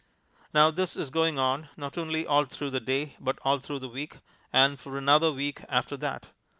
Now this is going on, not only all through the day, but all through the week, and for another week after that.